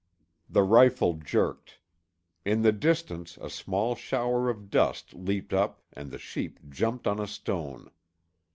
The rifle jerked. In the distance, a small shower of dust leaped up and the sheep jumped on a stone.